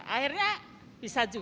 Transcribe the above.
akhirnya bisa jadul